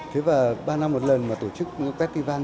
thế và ba năm một lần mà tổ chức festival